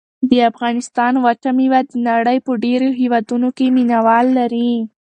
د افغانستان وچه مېوه د نړۍ په ډېرو هېوادونو کې مینه وال لري.